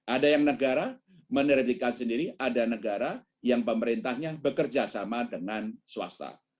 ada yang negara menerbitkan sendiri ada negara yang pemerintahnya bekerja sama dengan swasta